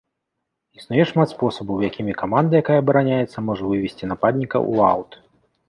Існуе шмат спосабаў, якімі каманда, якая абараняецца, можа вывесці нападніка ў аўт.